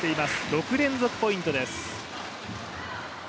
６連続ポイントです。